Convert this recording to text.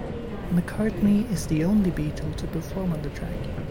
McCartney is the only Beatle to perform on the track.